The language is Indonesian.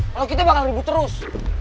kalau kita bakal ribut terus